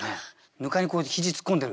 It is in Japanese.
糠にこうやって肘突っ込んでる。